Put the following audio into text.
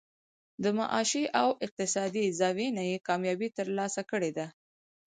د معاشي او اقتصادي زاويې نه ئې کاميابي تر لاسه کړې ده